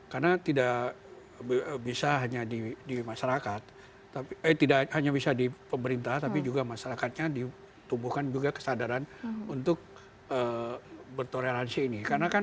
karena tidak bisa hanya di pemerintah tapi juga di masyarakatnya ditubuhkan juga kesadaran untuk bertoleransi ini